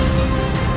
aku akan menangkapmu